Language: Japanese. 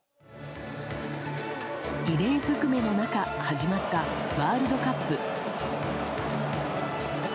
異例ずくめの中始まった、ワールドカップ。